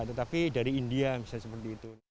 tetapi dari india misalnya seperti itu